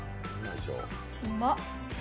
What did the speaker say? うまっ。